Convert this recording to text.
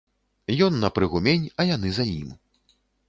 Ён на прыгумень, а яны за ім.